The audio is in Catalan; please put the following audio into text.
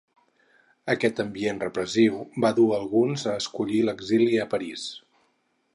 Aquest ambient repressiu va dur alguns a escollir l'exili a París.